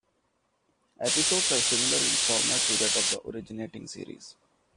Episodes are similar in format to that of the originating series.